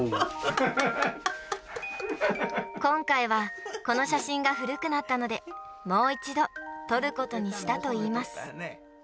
今回は、この写真が古くなったので、もう一度、撮ることにしたといいます。